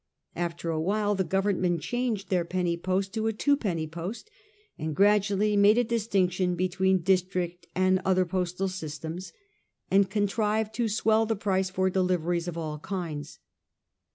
After a while the Government changed their penny post to a twopenny post, and gradually made a distinction between district and other postal systems, and con trived to swell the price for deliveries of all kinds.